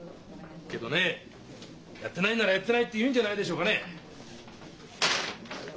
けどねやってないんなら「やってない」って言うんじゃないでしょうかねえ。